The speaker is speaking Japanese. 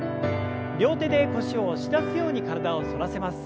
両手で腰を押し出すように体を反らせます。